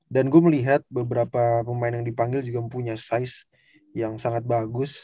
dan gue melihat beberapa pemain yang dipanggil juga punya size yang sangat bagus